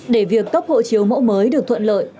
để việc cấp hộ chiếu mẫu mới được thuận lợi